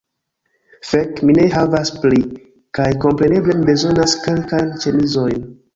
Fek', mi ne havas pli. Kaj kompreneble mi bezonas kelkajn ĉemizojn